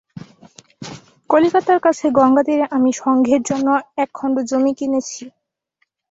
কলিকাতার কাছে গঙ্গাতীরে আমি সঙ্ঘের জন্য একখণ্ড জমি কিনেছি।